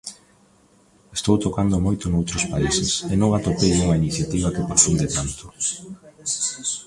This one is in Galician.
Estou tocando moito noutros países e non atopei unha iniciativa que profunde tanto.